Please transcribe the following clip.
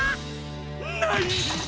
ない！